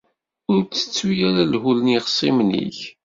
Ur ttettu ara lhul n yeɣixṣimen-ik.